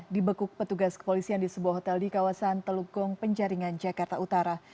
dibekuk petugas kepolisian di sebuah hotel di kawasan teluk gong penjaringan jakarta utara